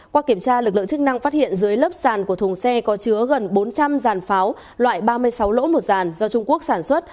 qua kiểm tra lực lượng chức năng phát hiện dưới lớp sàn của thùng xe có chứa gần bốn trăm linh dàn pháo loại ba mươi sáu lỗ một giàn do trung quốc sản xuất